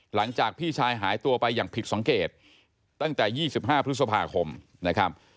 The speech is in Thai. หลังจากพี่ชายหายตัวไปอย่างผิดสังเกตตั้งแต่๒๕พฤษภาคมนะครับ